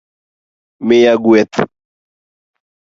miya gweth